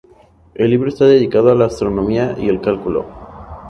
El libro está dedicado a la astronomía y el cálculo.